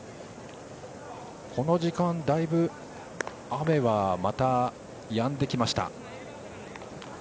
この時間、だいぶ雨はまたやんできました。